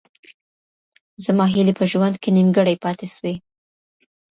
زما هیلې په ژوند کي نیمګړې پاتې سوې.